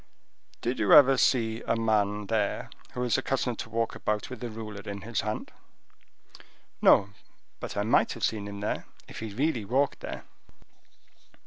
"Did you ever see a man there who is accustomed to walk about with a ruler in his hand?" "No; but I might have seen him there, if he really walked there."